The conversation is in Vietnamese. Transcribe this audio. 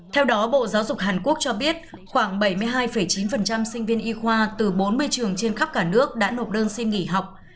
theo đó bộ giáo dục hàn quốc cho biết khoảng bảy mươi hai chín sinh viên y khoa từ bốn mươi trường trên khắp cả nước đã nộp đơn xin nghỉ học